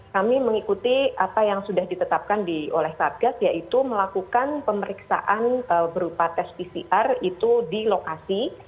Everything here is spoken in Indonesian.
kami mengikuti apa yang sudah ditetapkan oleh satgas yaitu melakukan pemeriksaan berupa tes pcr itu di lokasi